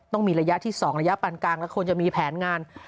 ต้องมีระยะที่๒ระยะปันกลางและควรจะมีแผนงาน